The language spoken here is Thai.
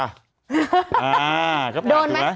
อ่าโดนมั้ย